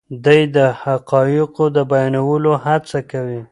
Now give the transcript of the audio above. دی د حقایقو د بیانولو هڅه کوي.